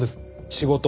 仕事。